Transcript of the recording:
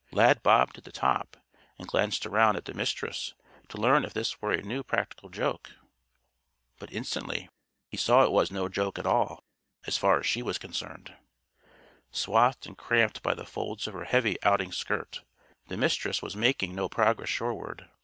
Lad bobbed to the top, and glanced around at the Mistress to learn if this were a new practical joke. But, instantly, he saw it was no joke at all, so far as she was concerned. Swathed and cramped by the folds of her heavy outing skirt, the Mistress was making no progress shoreward.